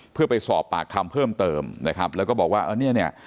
เพื่อไปสอบปากคำเพิ่มเติมนะครับแล้วก็บอกว่าอันนี้เนี่ย